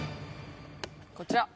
こちら。